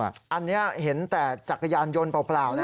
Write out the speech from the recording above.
อันนี้เห็นแต่จักรยานยนต์เปล่านะ